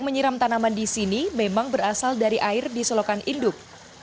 menyiram tanaman di sini memang berasal dari air di selokan induk